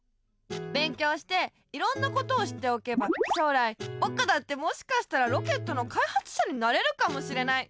勉強していろんなことを知っておけば将来ぼくだってもしかしたらロケットのかいはつしゃになれるかもしれない。